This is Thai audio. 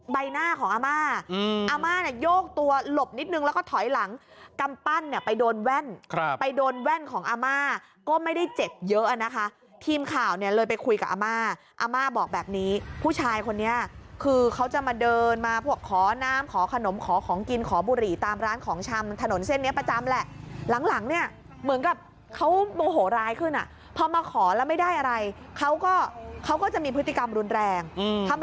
ปั้นเนี่ยไปโดนแว่นไปโดนแว่นของอาม่าก็ไม่ได้เจ็บเยอะนะคะทีมข่าวเนี่ยเลยไปคุยกับอาม่าอาม่าบอกแบบนี้ผู้ชายคนนี้คือเขาจะมาเดินมาพวกขอน้ำขอขนมขอของกินขอบุหรี่ตามร้านของชำถนนเส้นเนี้ยประจำแหละหลังหลังเนี่ยเหมือนกับเขาโมโหร้ายขึ้นอ่ะพอมาขอแล้วไม่ได้อะไรเขาก็เขาก็จะมีพฤติกรรมรุนแรงอืมทำ